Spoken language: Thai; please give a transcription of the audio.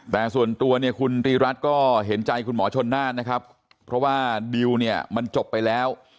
แต่ส่วนตัวเนี่ยคุณรีรัฐก็เห็นใจคุณหมอชนน่านนะครับเพราะว่าดิวเนี่ยมันจบไปแล้ว